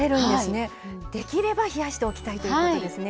できれば冷やしておきたいということですね。